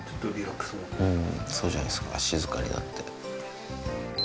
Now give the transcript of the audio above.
そうじゃないですか静かになって。